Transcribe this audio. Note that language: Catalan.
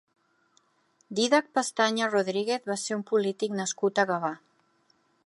Dídac Pestaña Rodríguez va ser un polític nascut a Gavà.